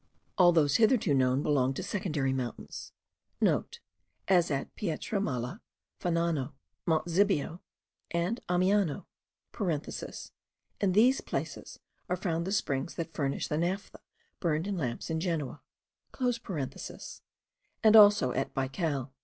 All those hitherto known belong to secondary mountains;* (* As at Pietra Mala; Fanano; Mont Zibio; and Amiano (in these places are found the springs that furnish the naphtha burned in lamps in Genoa) and also at Baikal.)